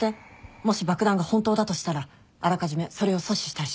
もし爆弾が本当だとしたらあらかじめそれを阻止したいし。